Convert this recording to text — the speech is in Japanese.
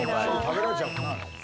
食べられちゃうもんね。